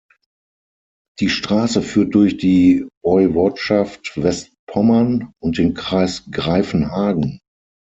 Die Straße führt durch die Woiwodschaft Westpommern und den Kreis Greifenhagen.